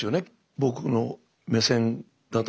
僕の目線だと。